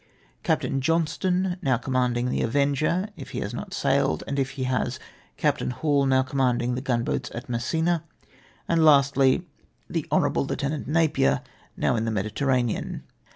" Captain Johnstone, now commanding the Avenger, if he has not sailed ; and if he has —•" Captain Hall, now commanding the gunboats at Messina, and lastly " The Honourable Lieutenant Napier, now in the Medi terranean.